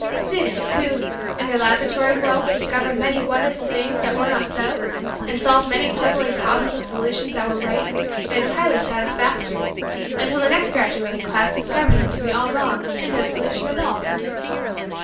Students who, in their laboratory worlds, discovered many wonderful things that were not so and solved many puzzling problems with solutions that were right and entirely satisfactory until the next graduating class discovered them to be all wrong and no solution at all?